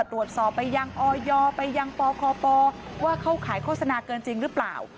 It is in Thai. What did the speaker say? ตรวจสอบไปยังออยไปยังปคปว่าเข้าขายโฆษณาเกินจริงหรือเปล่า